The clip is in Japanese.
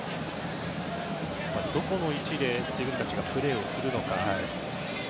どこの位置で自分たちがプレーするか。